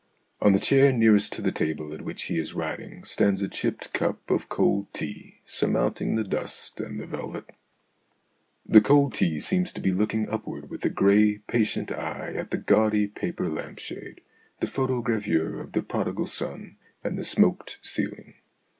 On the chair nearest to the table at which he is writing stands a chipped cup of cold tea, surmounting the dust and the velvet. The cold tea seems to be looking upward with a grey, patient eye at the gaudy paper lamp shade, the photogravure of "The Prodigal Son," and the smoked ceiling.